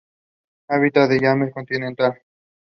It produces traction motors.